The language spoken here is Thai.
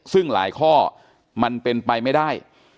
ซึ่งหลายข้อมันเป็นไปไม่ได้